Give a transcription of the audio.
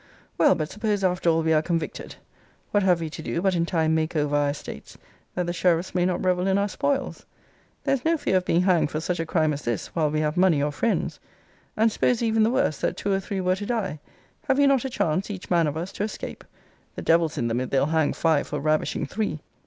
Well, but suppose, after all, we are convicted; what have we to do, but in time make over our estates, that the sheriffs may not revel in our spoils? There is no fear of being hanged for such a crime as this, while we have money or friends. And suppose even the worst, that two or three were to die, have we not a chance, each man of us, to escape? The devil's in them, if they'll hang five for ravishing three!